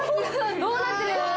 どうなってる？